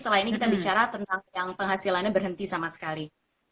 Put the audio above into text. setelah ini kita bicara tentang yang penghasilannya berhenti sama sekali